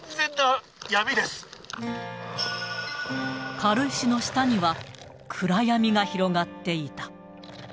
軽石の下には、暗闇が広がっていた。